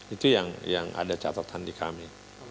itu yang ada catatan di kami